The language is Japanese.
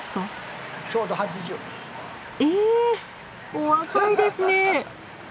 お若いですね。